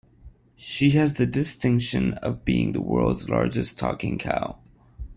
She has the distinction of being the World's Largest Talking Cow.